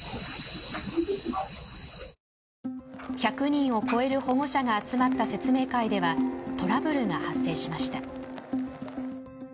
１００人を超える保護者が集まった説明会ではトラブルが発生しました。